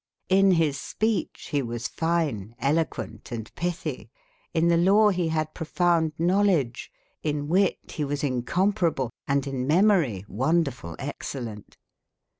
In bis specbe be was fyne, elo quent, and pyttbye* In tbe lawe be bad prof ounde knowledge, in witte be was imcomparable, and in memory wonder ful excellente.